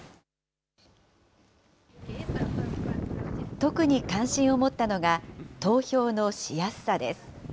特に関心を持ったのが、投票のしやすさです。